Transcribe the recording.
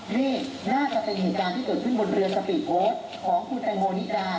นี่น่าจะเป็นเหนือตาที่เกิดขึ้นบนเรือของคุณแปลงโมนิกา